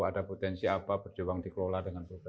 ada potensi apa berjuang dikelola dengan survei